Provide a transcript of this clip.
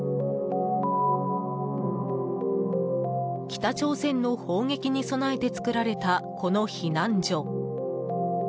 北朝鮮の砲撃に備えて作られたこの避難所。